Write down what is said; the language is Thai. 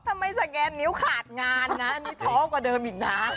ไม่สแกนนิ้วขาดงานนะอันนี้ท้อกว่าเดิมอีกนะ